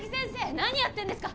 何やってんですか！